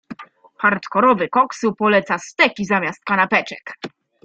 Hardkorowy koksu poleca steki zamiast kanapeczek.